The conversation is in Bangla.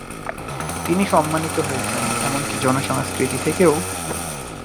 তিনি সম্মানিত হয়েছেন, এমনকি জনসংস্কৃতি থেকেও।